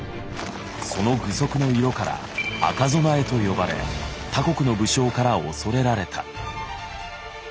その具足の色から「赤備え」と呼ばれ他国の武将から恐れられた。